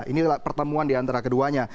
ini pertemuan di antara keduanya